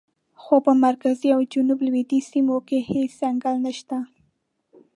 خو په مرکزي او جنوب لویدیځو سیمو کې هېڅ ځنګل نشته.